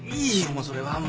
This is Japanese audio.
もうそれはもう。